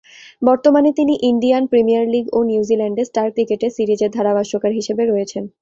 বর্তমানে তিনি Indian premier league ও নিউজিল্যান্ডে স্টার ক্রিকেটে সিরিজের ধারাভাষ্যকার হিসেবে রয়েছেন।